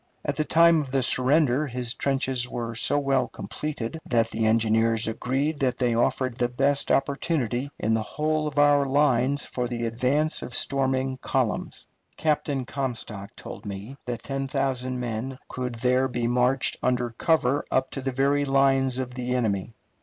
At the time of the surrender his trenches were so well completed that the engineers agreed that they offered the best opportunity in the whole of our lines for the advance of storming columns. Captain Comstock told me that ten thousand men could there be marched under cover up to the very lines of the enemy.